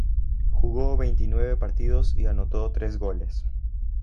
Jugó veintinueve partidos y anotó tres goles.